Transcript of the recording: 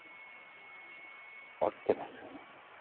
飽きてますよね？